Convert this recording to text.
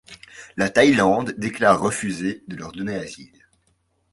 La Thaïlande déclare refuser de leur donner asile.